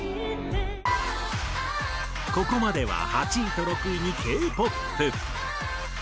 ここまでは８位と６位にＫ−ＰＯＰ。